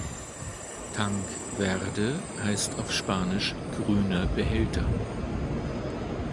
Tanque Verde heißt auf Spanisch "Grüner Behälter".